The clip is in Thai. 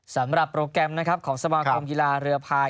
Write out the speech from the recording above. สำหรับโปรแกรมนะครับของสมาคมกีฬาเรือพาย